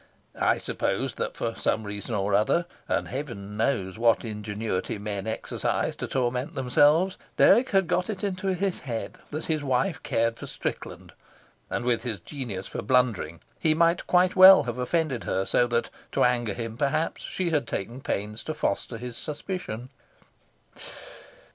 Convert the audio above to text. I supposed that for some reason or other and Heaven knows what ingenuity men exercise to torment themselves Dirk had got it into his head that his wife cared for Strickland, and with his genius for blundering he might quite well have offended her so that, to anger him, perhaps, she had taken pains to foster his suspicion.